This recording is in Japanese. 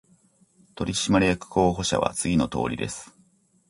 取締役候補者は次のとおりです